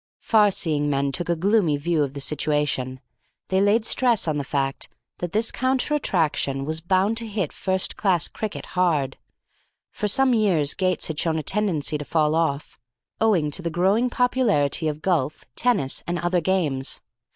Far seeing men took a gloomy view of the situation. They laid stress on the fact that this counter attraction was bound to hit first class cricket hard. For some years gates had shown a tendency to fall off, owing to the growing popularity of golf, tennis, and other games.